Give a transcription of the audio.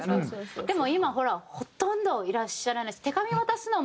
でも今ほらほとんどいらっしゃらないし。